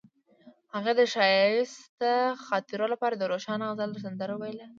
هغې د ښایسته خاطرو لپاره د روښانه غزل سندره ویله.